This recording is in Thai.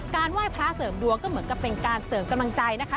ไหว้พระเสริมดวงก็เหมือนกับเป็นการเสริมกำลังใจนะคะ